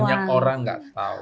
ini yang banyak orang gak tau